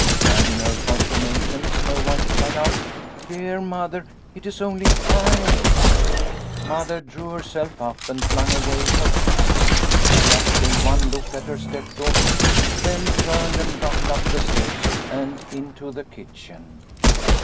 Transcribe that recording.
And in her consternation Snow White cried out, ' Dear Mother, it is only I !'" Mother drew herself up and flung away her hand. She just gave one look at her step daughter, then turned and rushed up the steps and into the kitchen.